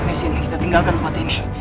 mesej yang kita tinggalkan pak demi